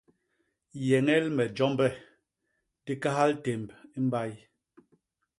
Yeñel me jombe, di kahal témb i mbay.